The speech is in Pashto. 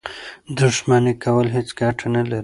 دښمني کول هېڅ ګټه نه لري.